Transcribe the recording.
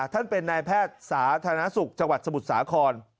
ท่านเป็นนายแพทย์สาธารณสุขจังหวัดสมุทรสาคร